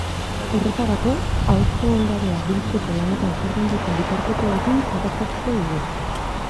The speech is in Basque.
Horretarako, ahozko ondarea biltzeko lanetan jardun duten bitartekoekin kontaktatu dugu.